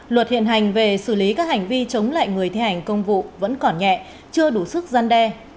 luật hiện hành về xử lý các hành vi chống lại người thi hành công vụ vẫn còn nhẹ chưa đủ sức gian đe